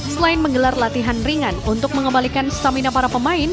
selain menggelar latihan ringan untuk mengembalikan stamina para pemain